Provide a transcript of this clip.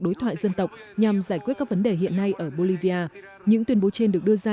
đối thoại dân tộc nhằm giải quyết các vấn đề hiện nay ở bolivia những tuyên bố trên được đưa ra